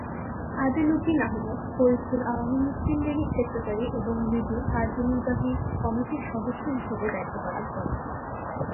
আদেল উদ্দিন আহমদ ফরিদপুর আওয়ামী মুসলিম লীগের সেক্রেটারি এবং লীগের কার্যনির্বাহী কমিটির সদস্য হিসাবে দায়িত্ব পালন করেন।